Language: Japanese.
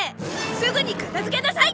すぐに片付けなさい！